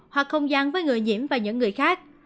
hoặc không gian với người nhiễm và những người khác